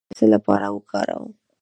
د ناک ګل د څه لپاره وکاروم؟